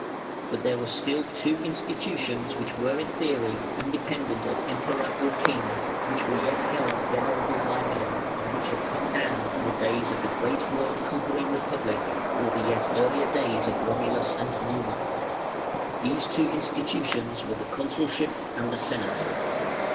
But there were still two institutions which were in theory independent of Emperor or King, which were yet held venerable by men, and which had come down from the days of the great world conquering republic, or the yet earlier days of Romulus and Numa. These two institutions were the Consulship and the Senate.